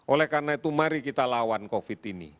oleh karena itu mari kita lawan covid ini